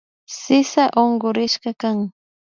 Sisa unkurishkakan